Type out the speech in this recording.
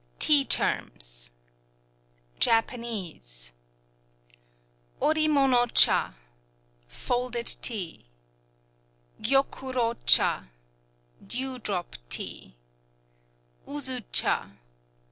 TEA TERMS JAPANESE Ori mono châ ... Folded Tea Giy ôku ro châ ... Dew Drop Tea Usu châ